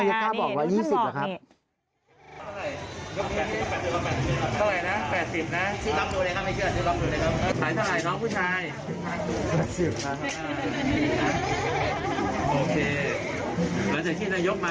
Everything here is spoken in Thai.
เหมือนจากที่นายกมาขายดีไหม